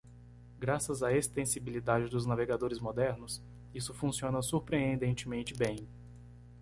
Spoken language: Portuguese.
Graças à extensibilidade dos navegadores modernos? isso funciona surpreendentemente bem.